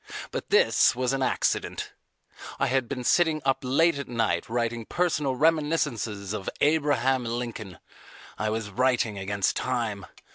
But this was an accident. I had been sitting up late at night writing personal reminiscences of Abraham Lincoln. I was writing against time.